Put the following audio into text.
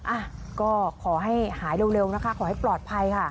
อ่ะก็ขอให้หายเร็วนะคะขอให้ปลอดภัยค่ะ